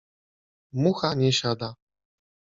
Mucha nie siada.